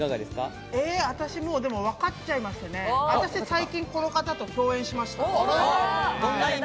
私もう分かっちゃいまして、私この方と最近共演しました。